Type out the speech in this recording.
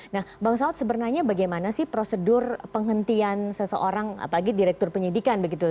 nah bang saud sebenarnya bagaimana sih prosedur penghentian seseorang apalagi direktur penyidikan begitu